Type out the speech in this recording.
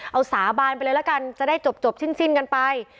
เอาสาบานไปเลยละกันจะได้จบสิ้นกันไป